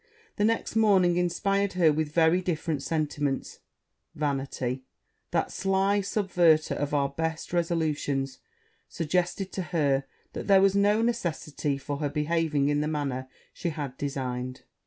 the next morning inspired her with very different sentiments; vanity, that sly subverter of our best resolutions, suggested to her that there was no necessity for her behaving in the manner she had designed.